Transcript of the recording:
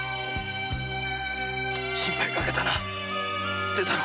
心配かけたな清太郎。